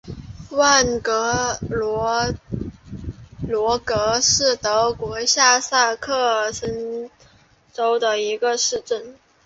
万格罗格是德国下萨克森州的一个市镇。